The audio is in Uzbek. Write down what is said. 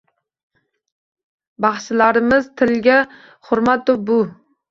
Baxshilarimiz tilga hurmatu bu.